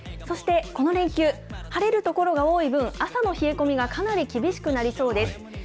そしてこの連休、晴れる所が多い分、朝の冷え込みがかなり厳しくなりそうです。